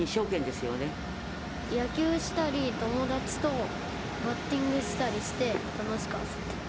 野球したり、友達とバッティングしたりして、楽しく遊んでる。